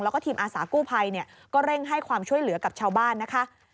แล้วก็ทีมอาสากู้ภัยก็เร่งให้ความช่วยเหลือกับชาวบ้านนะคะ